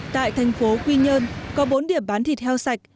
tại thành phố quy nhơn có bốn điểm bán thịt heo sạch